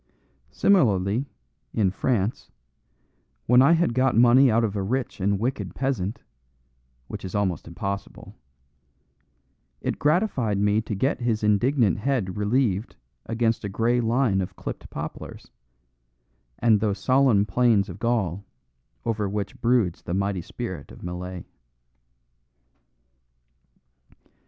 Similarly, in France, when I had got money out of a rich and wicked peasant (which is almost impossible), it gratified me to get his indignant head relieved against a grey line of clipped poplars, and those solemn plains of Gaul over which broods the mighty spirit of Millet.